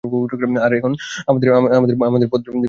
আর এখন আমাদের পথ ভিন্ন, জানিস?